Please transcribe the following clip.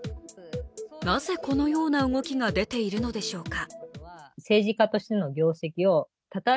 なぜ、このような動きが出ているのでしょうか。